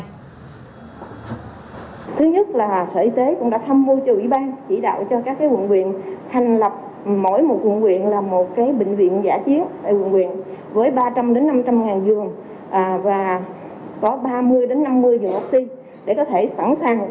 thứ nhất là sở y tế cũng đã thăm vô cho ủy ban chỉ đạo cho các quận viện hành lập mỗi một quận viện là một bệnh viện giải chiến tại quận viện với ba trăm linh năm trăm linh ngàn vườn và có ba mươi năm mươi vườn oxy để có thể sẵn sàng